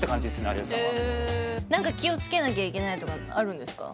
有吉さんは何か気をつけなきゃいけないとかあるんですか？